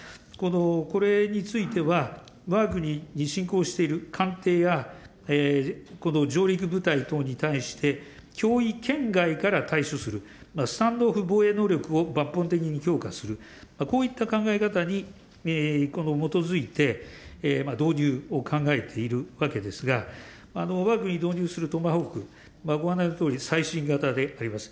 これについては、わが国に侵攻している艦艇や上陸部隊等に対して、脅威圏外から対処する、スタンド・オフ防衛能力を抜本的に強化する、こういった考え方に基づいて、導入を考えているわけですが、わが国に導入するトマホーク、ご案内のとおり最新型であります。